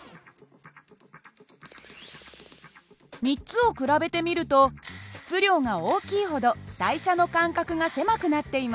３つを比べてみると質量が大きいほど台車の間隔が狭くなっています。